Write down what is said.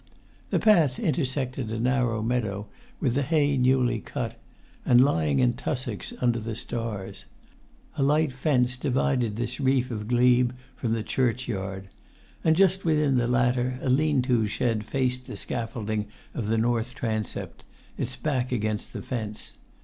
The path intersected a narrow meadow with the hay newly cut, and lying in tussocks under the stars; a light fence divided this reef of glebe from the churchyard; and, just within the latter, a lean to shed faced the scaffolding of the north transept, its back against the fence.